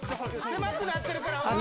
狭くなってるから。